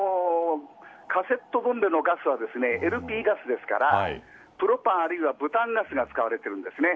カセットボンベのガスはＬＰガスですからプロパン、あるいはブタンガスが使われているんですね。